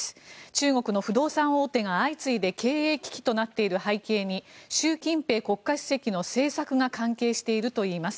中国の不動産大手が相次いで経営危機となっている背景に習近平国家主席の政策が関係しているといいます。